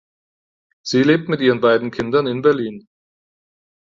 Sie lebt mit ihren beiden Kindern in Berlin.